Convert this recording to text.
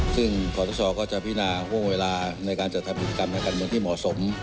ซึ่งพศก็จะพินาห่วงเวลาในการจัดการศิลป์การเมืองที่เหมาะสม